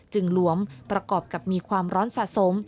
หลวมประกอบกับมีความร้อนสะสม